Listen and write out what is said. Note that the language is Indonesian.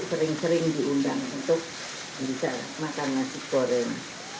sering sering diundang untuk bisa makan nasi goreng